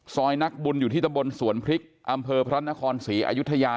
นักบุญอยู่ที่ตะบนสวนพริกอำเภอพระนครศรีอยุธยา